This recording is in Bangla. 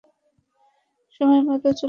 সময়মতোই চলে আসব।